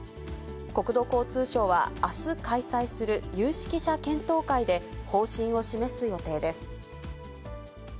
国土交通省はあす開催する有識者検討会で、方針を示す予定です。